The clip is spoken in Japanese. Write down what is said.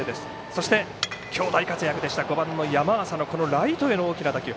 そして今日、大活躍でした５番の山浅のライトへの大きな打球。